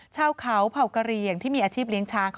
ชาวเขาเผ่ากะเรียงที่มีอาชีพเลี้ยงช้าง